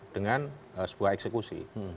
dengan sebuah eksekusi